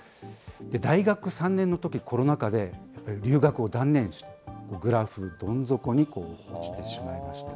大学３年のとき、コロナ禍で、留学を断念し、グラフ、どん底に落ちてしまいました。